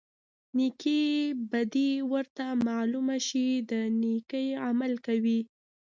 نیکې بدي ورته معلومه شي د نیکۍ عمل کوي.